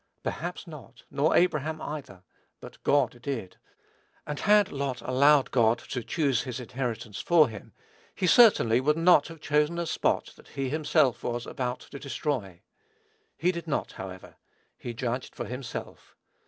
Perhaps not, nor Abraham either; but God did; and had Lot allowed God to "choose his inheritance for him," he certainly would not have chosen a spot that he himself was about to destroy. He did not, however. He judged for himself.